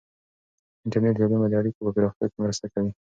انټرنیټ د علومو د اړیکو په پراختیا کې مرسته کوي.